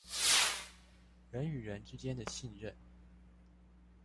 人與人之間的信任